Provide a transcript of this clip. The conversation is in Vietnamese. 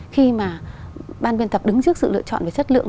khi mà ban biên tập đứng trước sự lựa chọn về chất lượng